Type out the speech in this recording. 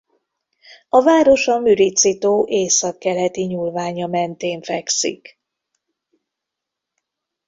A város a Müritzi-tó északkeleti nyúlványa mentén fekszik.